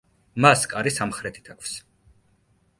მას კარი სამხრეთით აქვს.